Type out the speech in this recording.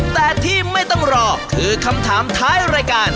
แต่ที่ไม่ต้องรอคือคำถามท้ายรายการ